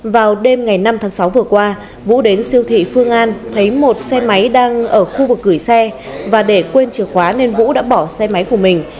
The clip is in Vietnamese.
vào đêm ngày năm tháng sáu vừa qua vũ đến siêu thị phương an thấy một xe máy đang ở khu vực gửi xe và để quên chìa khóa nên vũ đã bỏ xe máy của mình